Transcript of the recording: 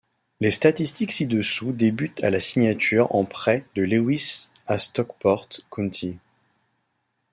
Les statistiques ci-dessous débutent à la signature en prêt de Lewis à Stockport County.